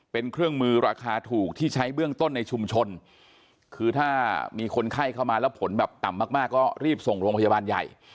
เป็นเครื่องมือราคาถูกที่ใช้เบื้องต้นในชุมชนคือถ้ามีคนไข้เข้ามาแล้วผลแบบต่ำมากมากก็รีบส่งโรงพยาบาลใหญ่